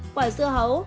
quả dưa hấu